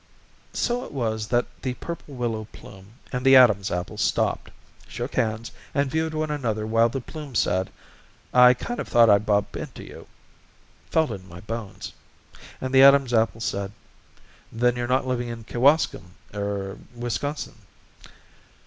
So it was that the Purple Willow Plume and the Adam's Apple stopped, shook hands, and viewed one another while the Plume said, "I kind of thought I'd bump into you. Felt it in my bones." And the Adam's Apple said: "Then you're not living in Kewaskum er Wisconsin?"